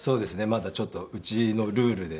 まだちょっとうちのルールで。